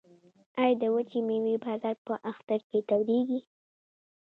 آیا د وچې میوې بازار په اختر کې تودیږي؟